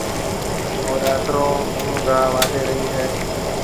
او ڏاتري هون گاها واڍهيَ رئي هيَ۔